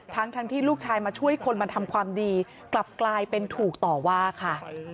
ทั้งที่ลูกชายมาช่วยคนมาทำความดีกลับกลายเป็นถูกต่อว่าค่ะ